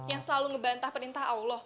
yang selalu ngebantah perintah allah